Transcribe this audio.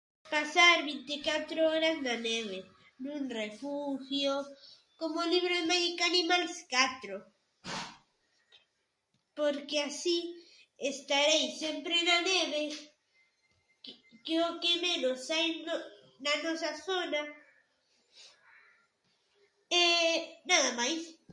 Pasar vinte e catro horas na neve, nun refugio, como o libro de Magic Animals catro, porque así estarei sempre na neve que é o que menos hai na nosa zona e nada máis.